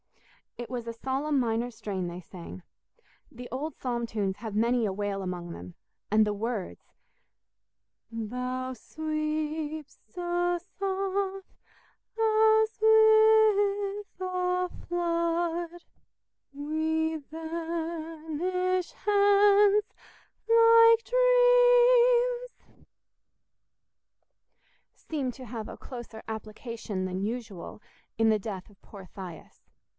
It was a solemn minor strain they sang. The old psalm tunes have many a wail among them, and the words— "Thou sweep'st us off as with a flood; We vanish hence like dreams"— seemed to have a closer application than usual in the death of poor Thias.